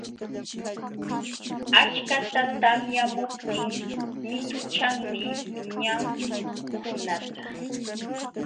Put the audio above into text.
Achkata tamyamuptin mituchanmi ñamkunata.